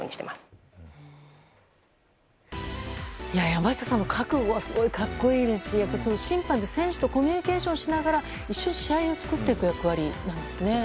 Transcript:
山下さんの覚悟は格好いいですし審判って、選手とコミュニケーションしながら一緒に試合を作っていく役割なんですね。